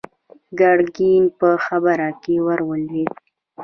ګرګين په خبره کې ور ولوېد.